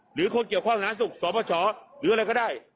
หรือคนเกี่ยวข้องสาธารณสุขสปชหรืออะไรก็ได้